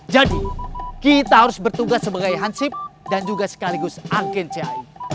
jadi kita harus bertugas sebagai hansip dan juga sekaligus agen cai